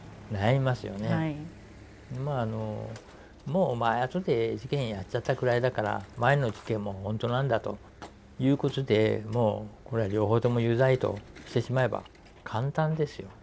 もうお前あとで事件やっちゃったくらいだから前の事件もほんとなんだということでこれは両方とも有罪としてしまえば簡単ですよ。